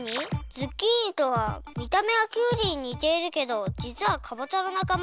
ズッキーニとはみためはきゅうりににているけどじつはかぼちゃのなかま。